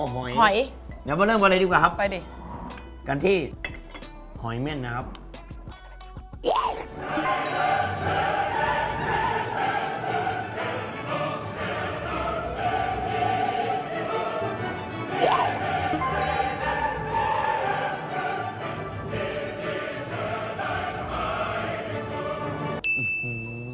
หอยเดี๋ยวมาเริ่มกันเลยดีกว่าครับไปดิกันที่หอยแม่นนะครับ